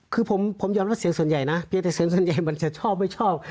คือผมยอมรับเสียงส่วนใหญ่นะเพียงแต่เสียงส่วนใหญ่มันจะชอบไม่ชอบ